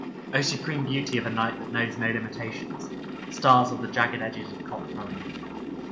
O supreme beauty of a night that knows no limitations — stars or the jagged edges of cock crowing.